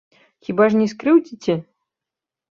Хіба ж не скрыўдзіце?